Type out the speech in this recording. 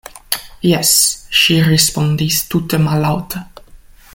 Jes, ŝi respondis tute mallaŭte.